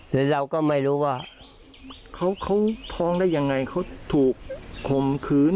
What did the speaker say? แต่เราก็ไม่รู้ว่าเขาท้องได้ยังไงเขาถูกคมคืน